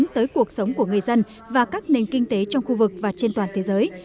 tới cuộc sống của người dân và các nền kinh tế trong khu vực và trên toàn thế giới